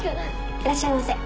いらっしゃいませ。